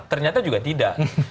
ternyata juga tidak